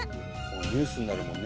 ニュースになるもんね